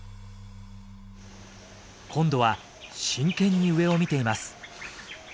今度は真剣に上を見ています。